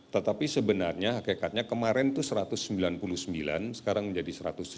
tetapi sebenarnya hakikatnya kemarin itu satu ratus sembilan puluh sembilan sekarang menjadi satu ratus tujuh puluh